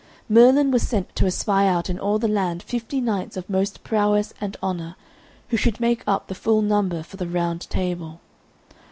Merlin was sent to espy out in all the land fifty knights of most prowess and honour, who should make up the full number for the Round Table.